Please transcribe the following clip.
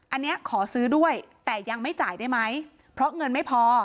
อันนี้ขอซื้อด้วยแต่ยังไม่จ่ายได้ไหมเพราะเงินไม่พอ